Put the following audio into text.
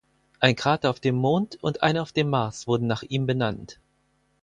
Ein Krater auf dem Mond und einer auf dem Mars wurden nach ihm benannt.